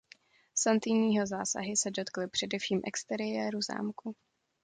Santiniho zásahy se dotkly především exteriéru zámku.